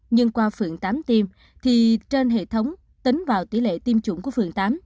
nhưng qua phượng tám tiêm thì trên hệ thống tính vào tỷ lệ tiêm chủng của phường tám